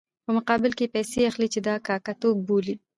په مقابل کې یې پیسې اخلي چې دا کاکه توب بولي.